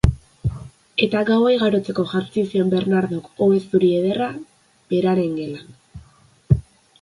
Eta gaua igarotzeko jantzi zion Bernardok ohe zuri ederra beraren gelan